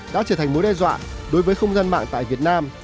đã trở thành mối đe dọa đối với không gian mạng tại việt nam